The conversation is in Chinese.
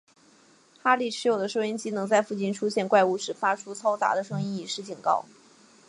哈利持有的收音机能在附近出现怪物时发出嘈杂的声音以作警告。